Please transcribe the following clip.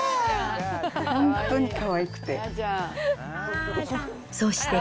本当にかわいくて。